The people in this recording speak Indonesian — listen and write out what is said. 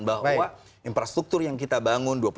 bahwa infrastruktur yang kita bangun